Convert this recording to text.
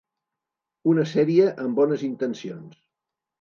Una sèrie amb bones intencions.